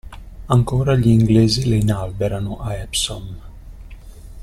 Ancora gli Inglesi le inalberano a Epsom.